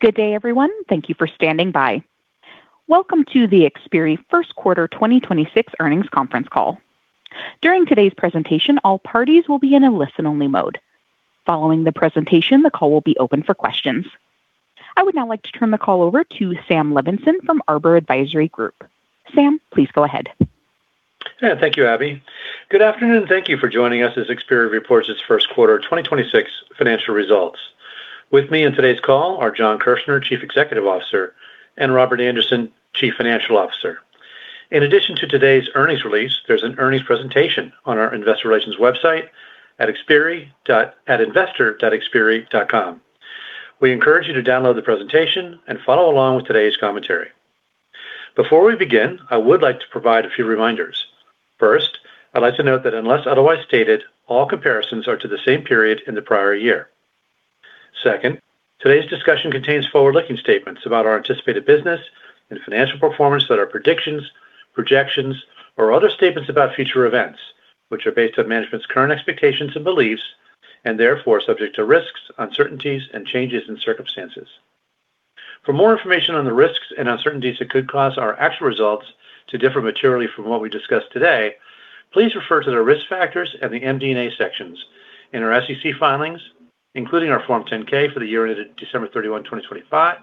Good day, everyone. Thank you for standing by. Welcome to the Xperi First Quarter 2026 Earnings Conference Call. During today's presentation, all parties will be in a listen-only mode. Following the presentation, the call will be open for questions. I would now like to turn the call over to Sam Levenson from Arbor Advisory Group. Sam, please go ahead. Yeah. Thank you, Abby. Good afternoon. Thank you for joining us as Xperi reports its first quarter 2026 financial results. With me in today's call are Jon Kirchner, Chief Executive Officer, and Robert Andersen, Chief Financial Officer. In addition to today's earnings release, there's an earnings presentation on our investor relations website at investor.xperi.com. We encourage you to download the presentation and follow along with today's commentary. Before we begin, I would like to provide a few reminders. First, I'd like to note that unless otherwise stated, all comparisons are to the same period in the prior year. Second, today's discussion contains forward-looking statements about our anticipated business and financial performance that are predictions, projections, or other statements about future events, which are based on management's current expectations and beliefs, and therefore subject to risks, uncertainties, and changes in circumstances. For more information on the risks and uncertainties that could cause our actual results to differ materially from what we discuss today, please refer to the Risk Factors and the MD&A sections in our SEC filings, including our Form 10-K for the year ended December 31, 2025,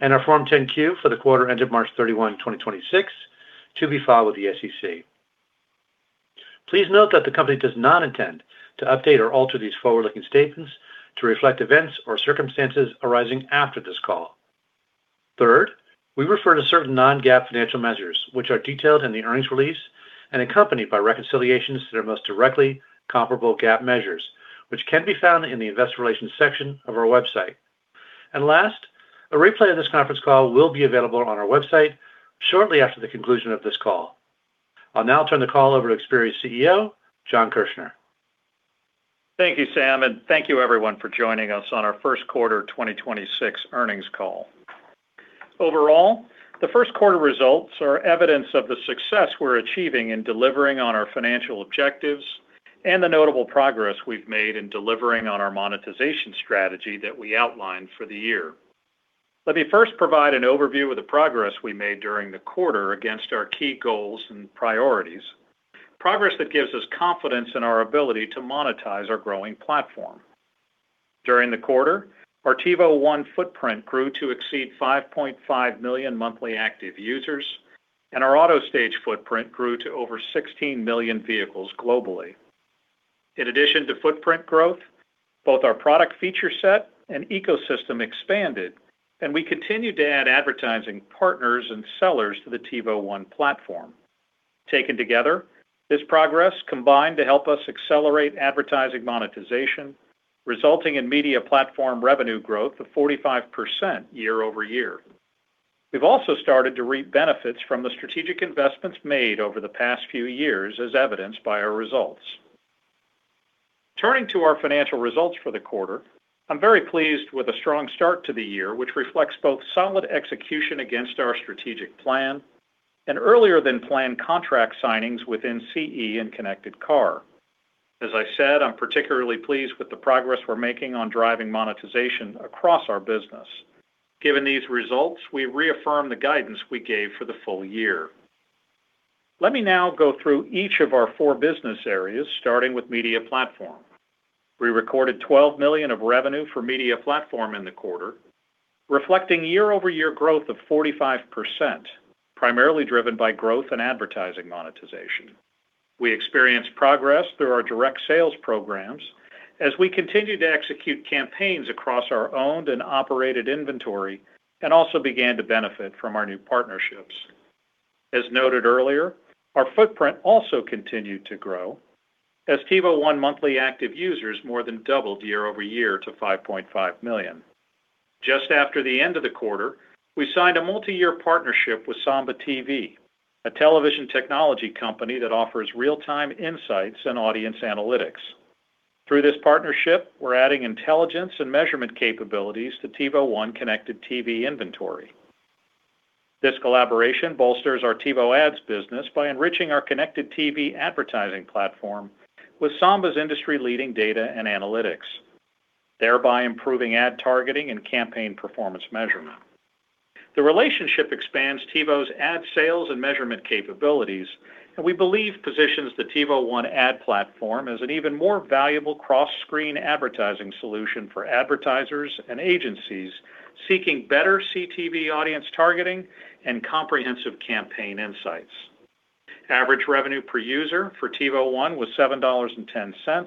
and our Form 10-Q for the quarter ended March 31, 2026, to be filed with the SEC. Please note that the company does not intend to update or alter these forward-looking statements to reflect events or circumstances arising after this call. Third, we refer to certain Non-GAAP financial measures, which are detailed in the earnings release and accompanied by reconciliations to their most directly comparable GAAP measures, which can be found in the Investor Relations section of our website. Last, a replay of this conference call will be available on our website shortly after the conclusion of this call. I'll now turn the call over to Xperi's CEO, Jon Kirchner. Thank you, Sam, and thank you everyone for joining us on our first quarter 2026 earnings call. Overall, the first quarter results are evidence of the success we're achieving in delivering on our financial objectives and the notable progress we've made in delivering on our monetization strategy that we outlined for the year. Let me first provide an overview of the progress we made during the quarter against our key goals and priorities, progress that gives us confidence in our ability to monetize our growing platform. During the quarter, our TiVo One footprint grew to exceed 5.5 million monthly active users, and our AutoStage footprint grew to over 16 million vehicles globally. In addition to footprint growth, both our product feature set and ecosystem expanded, and we continued to add advertising partners and sellers to the TiVo One platform. Taken together, this progress combined to help us accelerate advertising monetization, resulting in Media Platform revenue growth of 45% year-over-year. We've also started to reap benefits from the strategic investments made over the past few years, as evidenced by our results. Turning to our financial results for the quarter, I'm very pleased with the strong start to the year, which reflects both solid execution against our strategic plan and earlier than planned contract signings within CE and Connected Car. As I said, I'm particularly pleased with the progress we're making on driving monetization across our business. Given these results, we reaffirm the guidance we gave for the full year. Let me now go through each of our four business areas, starting with Media Platform. We recorded $12 million of revenue for Media Platform in the quarter, reflecting year-over-year growth of 45%, primarily driven by growth in advertising monetization. We experienced progress through our direct sales programs as we continued to execute campaigns across our owned and operated inventory and also began to benefit from our new partnerships. As noted earlier, our footprint also continued to grow as TiVo One monthly active users more than doubled year-over-year to 5.5 million. Just after the end of the quarter, we signed a multi-year partnership with Samba TV, a television technology company that offers real-time insights and audience analytics. Through this partnership, we're adding intelligence and measurement capabilities to TiVo One connected TV inventory. This collaboration bolsters our TiVo Ads business by enriching our connected TV advertising platform with Samba's industry-leading data and analytics, thereby improving ad targeting and campaign performance measurement. The relationship expands TiVo's ad sales and measurement capabilities, and we believe positions the TiVo One ad platform as an even more valuable cross-screen advertising solution for advertisers and agencies seeking better CTV audience targeting and comprehensive campaign insights. Average revenue per user for TiVo One was $7.10,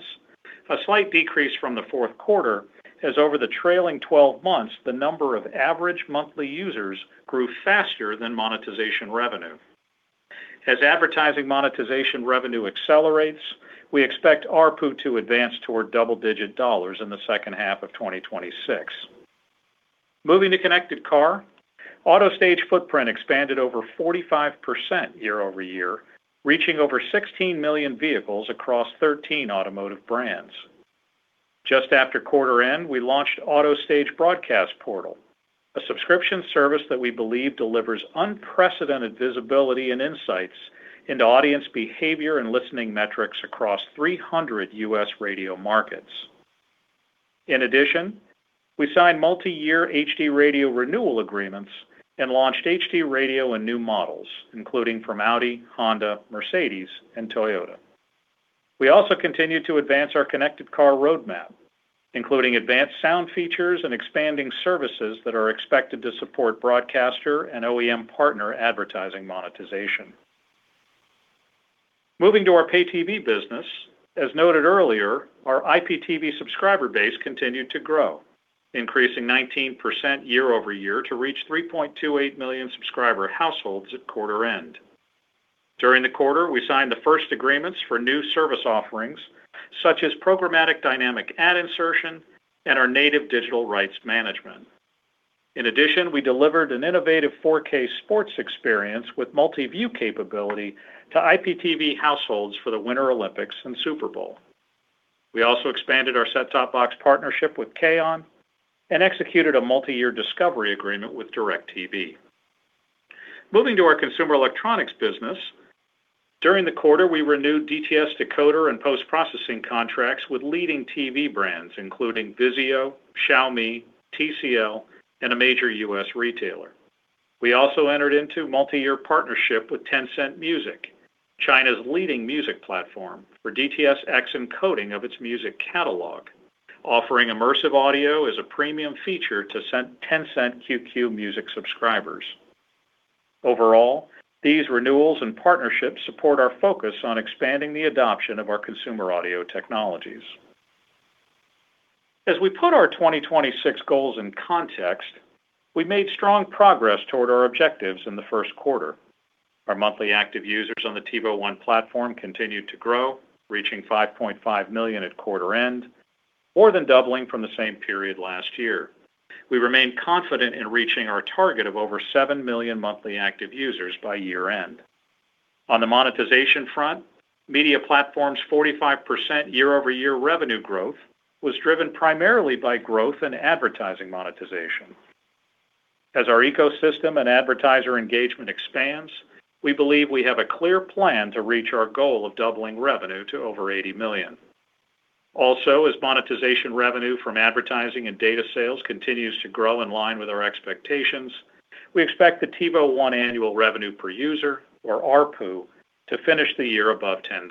a slight decrease from the fourth quarter, as over the trailing 12 months, the number of average monthly users grew faster than monetization revenue. As advertising monetization revenue accelerates, we expect ARPU to advance toward double-digit dollars in the second half of 2026. Moving to Connected Car, AutoStage footprint expanded over 45% year-over-year, reaching over 16 million vehicles across 13 automotive brands. Just after quarter end, we launched AutoStage Broadcaster Portal, a subscription service that we believe delivers unprecedented visibility and insights into audience behavior and listening metrics across 300 U.S. radio markets. In addition, we signed multi-year HD Radio renewal agreements and launched HD Radio and new models, including from Audi, Honda, Mercedes, and Toyota. We also continue to advance our Connected Car roadmap, including advanced sound features and expanding services that are expected to support broadcaster and OEM partner advertising monetization. Moving to our pay-TV business. As noted earlier, our IPTV subscriber base continued to grow, increasing 19% year over year to reach 3.28 million subscriber households at quarter end. During the quarter, we signed the first agreements for new service offerings, such as programmatic dynamic ad insertion and our native digital rights management. In addition, we delivered an innovative 4K sports experience with multi-view capability to IPTV households for the Winter Olympics and Super Bowl. We also expanded our set-top box partnership with Kaon and executed a multi-year discovery agreement with DirecTV. Moving to our consumer electronics business. During the quarter, we renewed DTS decoder and post-processing contracts with leading TV brands including Vizio, Xiaomi, TCL, and a major U.S. retailer. We also entered into a multi-year partnership with Tencent Music, China's leading music platform for DTS:X encoding of its music catalog, offering immersive audio as a premium feature to Tencent QQ Music subscribers. Overall, these renewals and partnerships support our focus on expanding the adoption of our consumer audio technologies. As we put our 2026 goals in context, we made strong progress toward our objectives in the first quarter. Our monthly active users on the TiVo One platform continued to grow, reaching 5.5 million at quarter end, more than doubling from the same period last year. We remain confident in reaching our target of over 7 million monthly active users by year-end. On the monetization front, Media Platforms 45% year-over-year revenue growth was driven primarily by growth in advertising monetization. As our ecosystem and advertiser engagement expands, we believe we have a clear plan to reach our goal of doubling revenue to over $80 million. Also, as monetization revenue from advertising and data sales continues to grow in line with our expectations, we expect the TiVo One annual revenue per user or ARPU to finish the year above $10.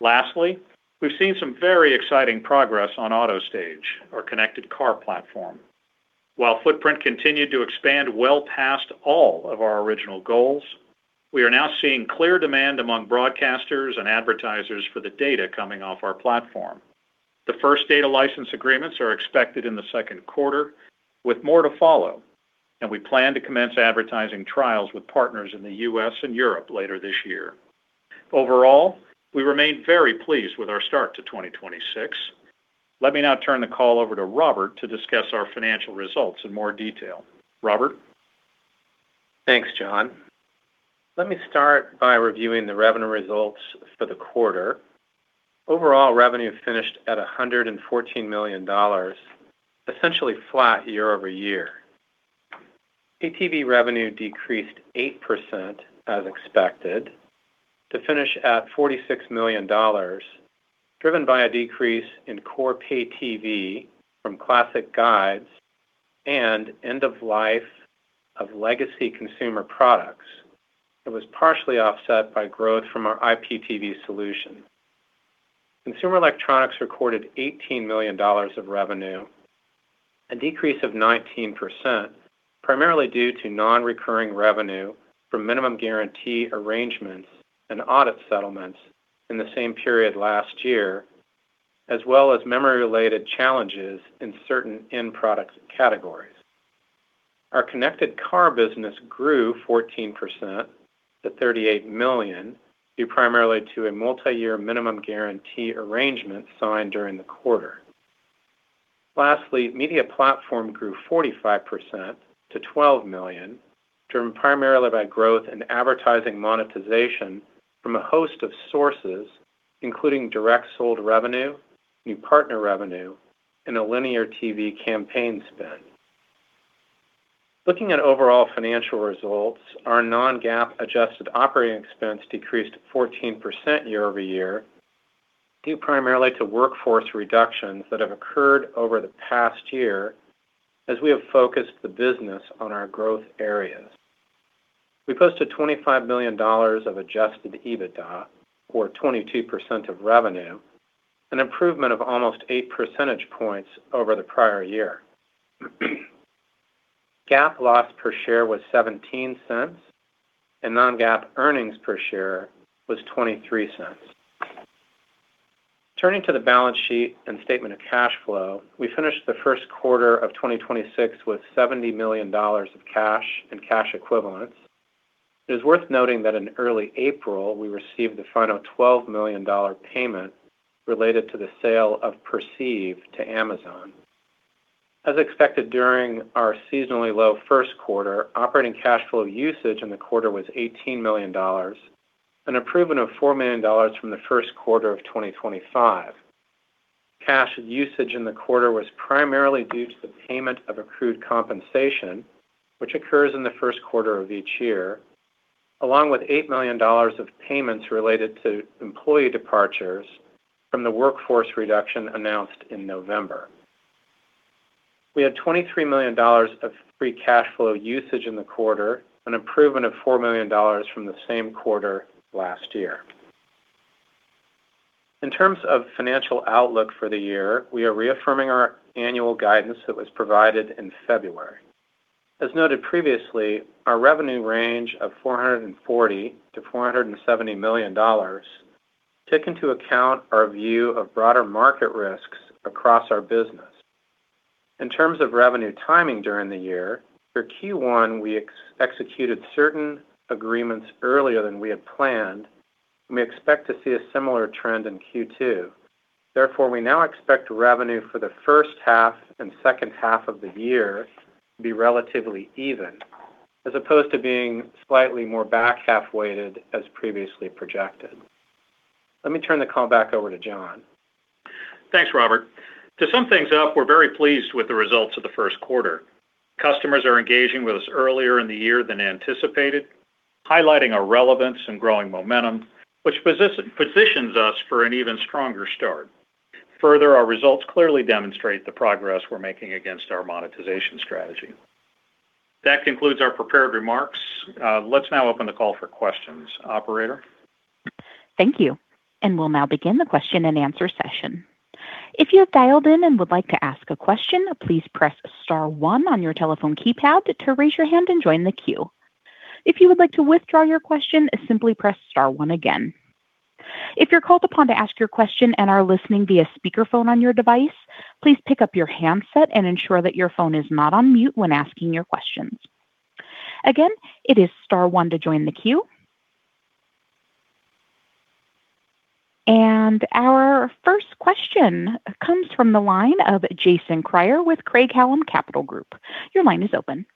Lastly, we've seen some very exciting progress on AutoStage, our Connected Car platform. While footprint continued to expand well past all of our original goals, we are now seeing clear demand among broadcasters and advertisers for the data coming off our platform. The first data license agreements are expected in the 2Q with more to follow, and we plan to commence advertising trials with partners in the U.S. and Europe later this year. Overall, we remain very pleased with our start to 2026. Let me now turn the call over to Robert to discuss our financial results in more detail. Robert? Thanks, Jon. Let me start by reviewing the revenue results for the quarter. Overall revenue finished at $114 million, essentially flat year-over-year. Pay-TV revenue decreased 8% as expected to finish at $46 million, driven by a decrease in core Pay-TV from classic guides and end of life of legacy consumer products that was partially offset by growth from our IPTV solution. Consumer electronics recorded $18 million of revenue, a decrease of 19% primarily due to non-recurring revenue from minimum guarantee arrangements and audit settlements in the same period last year as well as memory-related challenges in certain end products categories. Our Connected Car business grew 14% to $38 million, due primarily to a multi-year minimum guarantee arrangement signed during the quarter. Lastly, Media Platform grew 45% to $12 million, driven primarily by growth in advertising monetization from a host of sources including direct sold revenue, new partner revenue, and a linear TV campaign spend. Looking at overall financial results. Our Non-GAAP adjusted operating expense decreased 14% year-over-year, due primarily to workforce reductions that have occurred over the past year as we have focused the business on our growth areas. We posted $25 million of adjusted EBITDA or 22% of revenue, an improvement of almost 8 percentage points over the prior year. GAAP loss per share was $0.17 and Non-GAAP earnings per share was $0.23. Turning to the balance sheet and statement of cash flow. We finished the first quarter of 2026 with $70 million of cash and cash equivalents. It is worth noting that in early April we received the final $12 million payment related to the sale of Perceive to Amazon. As expected during our seasonally low first quarter, operating cash flow usage in the quarter was $18 million, an improvement of $4 million from the first quarter of 2025. Cash usage in the quarter was primarily due to the payment of accrued compensation, which occurs in the first quarter of each year, along with $8 million of payments related to employee departures from the workforce reduction announced in November. We had $23 million of free cash flow usage in the quarter, an improvement of $4 million from the same quarter last year. In terms of financial outlook for the year, we are reaffirming our annual guidance that was provided in February. As noted previously, our revenue range of $440 million-$470 million take into account our view of broader market risks across our business. In terms of revenue timing during the year, for Q1, we executed certain agreements earlier than we had planned. We may expect to see a similar trend in Q2. We now expect revenue for the first half and second half of the year to be relatively even, as opposed to being slightly more back-half weighted as previously projected. Let me turn the call back over to Jon. Thanks, Robert. To sum things up, we're very pleased with the results of the first quarter. Customers are engaging with us earlier in the year than anticipated, highlighting our relevance and growing momentum, which positions us for an even stronger start. Our results clearly demonstrate the progress we're making against our monetization strategy. That concludes our prepared remarks. Let's now open the call for questions. Operator? Thank you. We'll now begin the question and answer session. If you have dialed in and would like to ask a question, please press star one on your telephone keypad to raise your hand and join the queue. If you would like to withdraw your question, simply press star one again. If you're called upon to ask your question and are listening via speakerphone on your device, please pick up your handset and ensure that your phone is not on mute when asking your questions. Again, it is star one to join the queue. Our first question comes from the line of Jason Kreyer with Craig-Hallum Capital Group. Your line is open.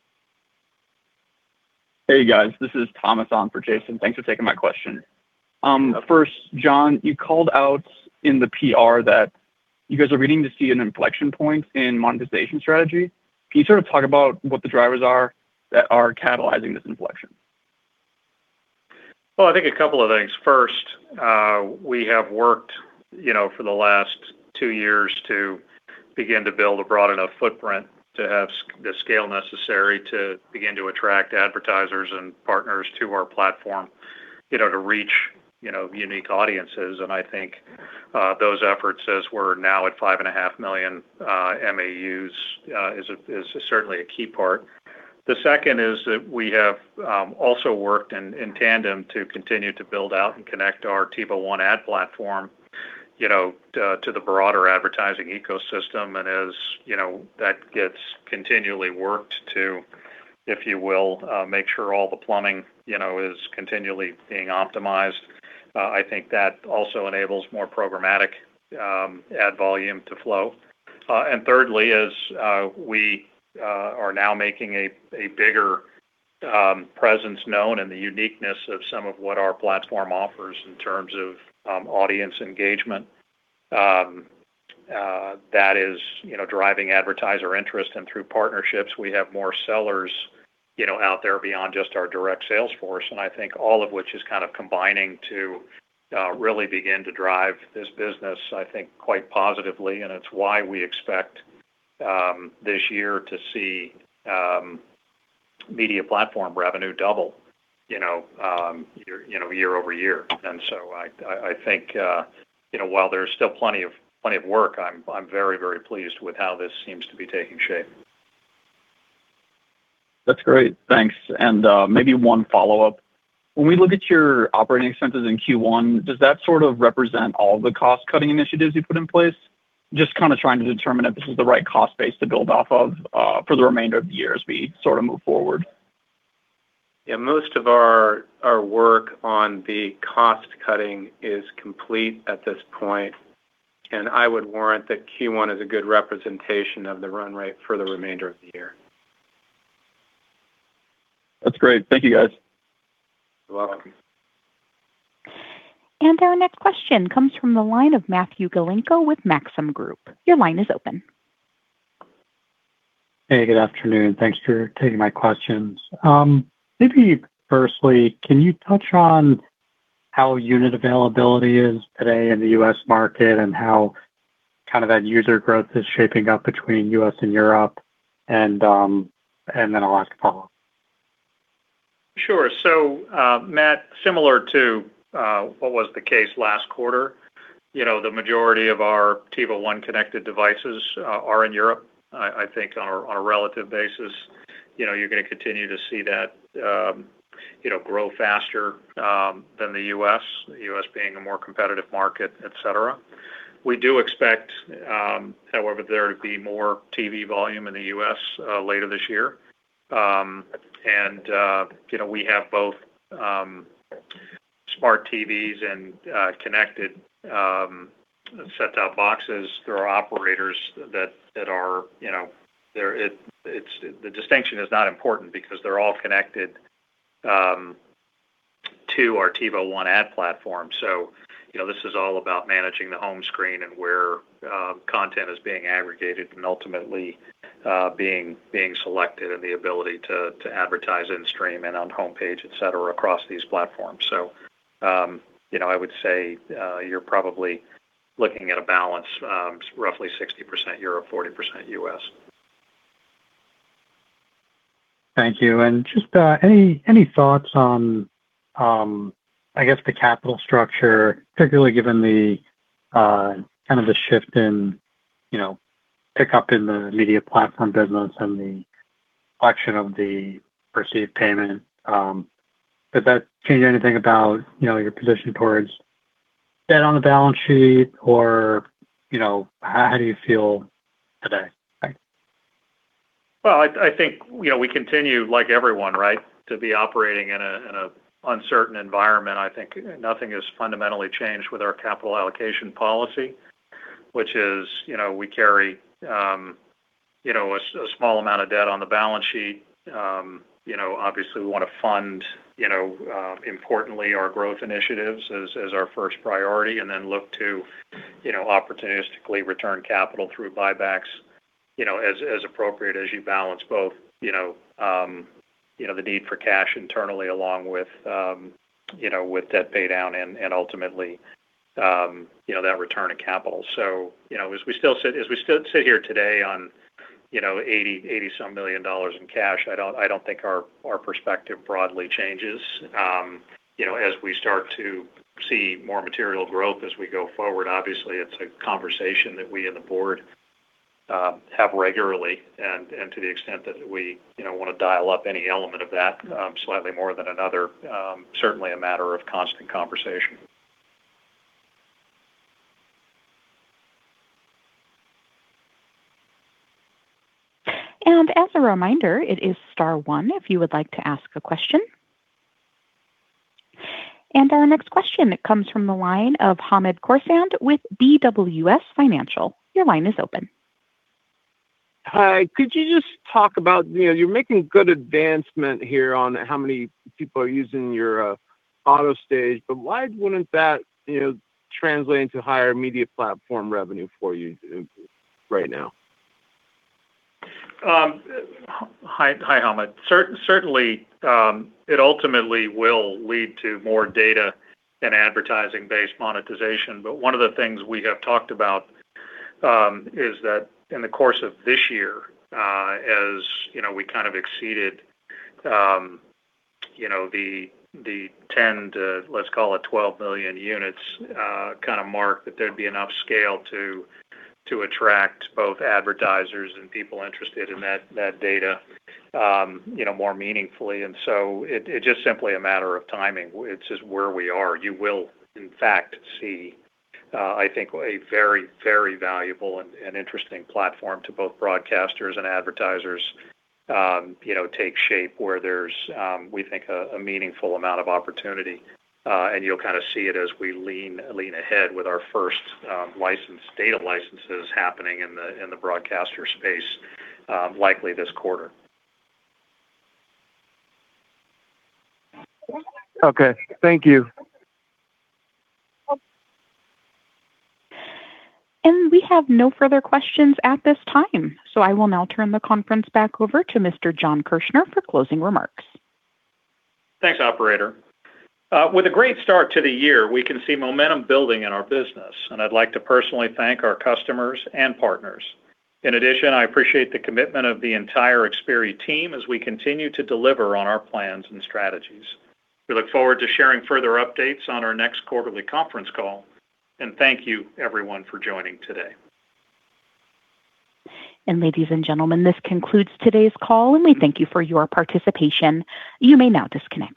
Hey, guys. This is Thomas on for Jason. Thanks for taking my question. Jon, you called out in the PR that you guys are beginning to see an inflection point in monetization strategy. Can you sort of talk about what the drivers are that are catalyzing this inflection? Well, I think a couple of things. First, we have worked, you know, for the last two years to begin to build a broad enough footprint to have the scale necessary to begin to attract advertisers and partners to our platform, you know, to reach, you know, unique audiences. I think, those efforts, as we're now at 5.5 million MAUs, is certainly a key part. The second is that we have also worked in tandem to continue to build out and connect our TiVo One ad platform, you know, to the broader advertising ecosystem. As, you know, that gets continually worked to, if you will, make sure all the plumbing, you know, is continually being optimized, I think that also enables more programmatic ad volume to flow. Thirdly, as we are now making a bigger presence known and the uniqueness of some of what our platform offers in terms of audience engagement, that is, you know, driving advertiser interest. Through partnerships, we have more sellers, you know, out there beyond just our direct sales force. I think all of which is kind of combining to really begin to drive this business, I think, quite positively, and it's why we expect this year to see Media Platform revenue double, you know, year-over-year. I think, you know, while there's still plenty of work, I'm very, very pleased with how this seems to be taking shape. That's great. Thanks. Maybe one follow-up. When we look at your operating expenses in Q1, does that sort of represent all the cost-cutting initiatives you put in place? Just kinda trying to determine if this is the right cost base to build off of, for the remainder of the year as we sort of move forward. Yeah, most of our work on the cost-cutting is complete at this point, and I would warrant that Q1 is a good representation of the run rate for the remainder of the year. That's great. Thank you, guys. You're welcome. Our next question comes from the line of Matthew Galinko with Maxim Group. Your line is open. Hey, good afternoon. Thanks for taking my questions. Maybe firstly, can you touch on how unit availability is today in the U.S. market and how kind of that user growth is shaping up between U.S. and Europe? Then I'll ask a follow-up. Sure. Matthew, similar to what was the case last quarter, you know, the majority of our TiVo One connected devices are in Europe. I think on a relative basis, you know, you're gonna continue to see that, you know, grow faster than the U.S. U.S. being a more competitive market, et cetera. We do expect, however, there to be more TV volume in the U.S. later this year. You know, we have both smart TVs and connected set-top boxes through our operators that are, you know, the distinction is not important because they're all connected to our TiVo One ad platform. You know, this is all about managing the home screen and where content is being aggregated and ultimately being selected and the ability to advertise and stream in on homepage, et cetera, across these platforms. You know, I would say, you're probably looking at a balance, roughly 60% Europe, 40% U.S. Thank you. Just any thoughts on, I guess the capital structure, particularly given the kind of the shift in, you know, pickup in the Media Platform business and the collection of the Perceive payment, does that change anything about, you know, your position towards debt on the balance sheet or, you know, how do you feel today? Well, I think, you know, we continue like everyone, right, to be operating in a uncertain environment. I think nothing has fundamentally changed with our capital allocation policy, which is, you know, we carry, you know, a small amount of debt on the balance sheet. You know, obviously we want to fund, you know, importantly, our growth initiatives as our first priority and then look to, you know, opportunistically return capital through buybacks, you know, as appropriate as you balance both, you know, the need for cash internally along with, you know, with debt pay down and ultimately, you know, that return of capital. You know, as we still sit here today on, you know, $80 some million in cash, I don't think our perspective broadly changes. You know, as we start to see more material growth as we go forward, obviously it's a conversation that we and the board have regularly and to the extent that we, you know, want to dial up any element of that, slightly more than another, certainly a matter of constant conversation. As a reminder, it is star one if you would like to ask a question. Our next question comes from the line of Hamed Khorsand with BWS Financial. Your line is open. Hi. Could you just talk about, you know, you're making good advancement here on how many people are using your AutoStage, but why wouldn't that, you know, translate into higher Media Platform revenue for you right now? Hi, Hamed. Certainly, it ultimately will lead to more data and advertising-based monetization. One of the things we have talked about, is that in the course of this year, as, you know, we kind of exceeded, you know, the 10 to let's call it 12 billion units, kind of mark that there'd be enough scale to attract both advertisers and people interested in that data, you know, more meaningfully. So it's just simply a matter of timing. It's just where we are. You will in fact see, I think a very, very valuable and interesting platform to both broadcasters and advertisers, you know, take shape where there's, we think a meaningful amount of opportunity. And you'll kind of see it as we lean ahead with our first data licenses happening in the broadcaster space, likely this quarter. Okay. Thank you. We have no further questions at this time. I will now turn the conference back over to Mr. Jon Kirchner for closing remarks. Thanks, operator. With a great start to the year, we can see momentum building in our business, and I'd like to personally thank our customers and partners. In addition, I appreciate the commitment of the entire Xperi team as we continue to deliver on our plans and strategies. We look forward to sharing further updates on our next quarterly conference call, and thank you everyone for joining today. Ladies and gentlemen, this concludes today's call, and we thank you for your participation. You may now disconnect.